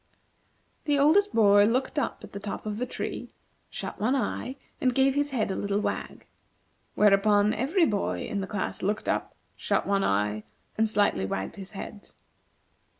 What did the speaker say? The oldest boy looked up at the top of the tree, shut one eye, and gave his head a little wag. Whereupon every boy in the class looked up, shut one eye, and slightly wagged his head.